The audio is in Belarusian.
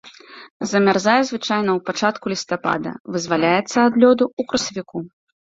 Замярзае звычайна ў пачатку лістапада, вызваляецца ад лёду ў красавіку.